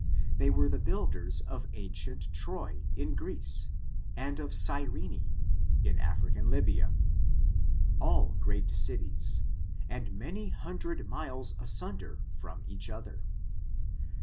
They were the builders of ancient Troy^ in Chreece^ and of Cy* rene^ in African Lybia^ all great cities, and many hun dred miles asunder from each other.